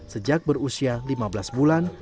sejak berusia lima belas bulan